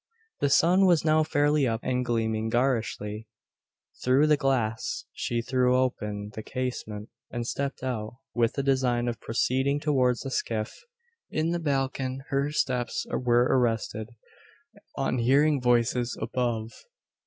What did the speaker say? The sun was now fairly up, and gleaming garishly through the glass. She threw open the casement and stepped out, with the design of proceeding towards the skiff. In the balcon her steps were arrested, on hearing voices above.